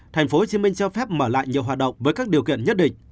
tp hcm cho phép mở lại nhiều hoạt động với các điều kiện nhất định